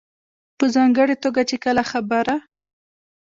په ځانګړې توګه چې کله خبره